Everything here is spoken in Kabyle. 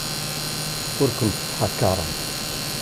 Ur kent-ttḥakaṛeɣ.